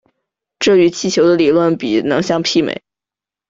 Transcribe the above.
这与汽油的理论比能相媲美。